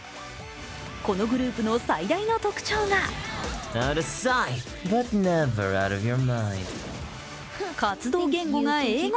このグループの最大の特徴が活動言語が英語。